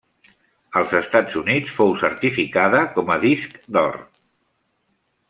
Als Estats Units fou certificada com a disc d'or.